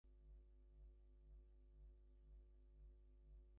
De Villebois-Mareuil was killed and his men killed or captured.